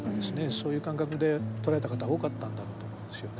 そういう感覚で捉えた方が多かったんだろうと思うんですよね。